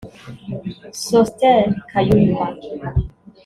Soter Kayumba